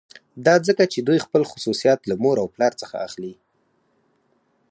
دا ځکه چې دوی خپل خصوصیات له مور او پلار څخه اخلي